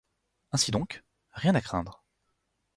Ainsi donc, rien à craindre